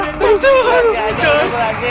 lagi aja lagi lagi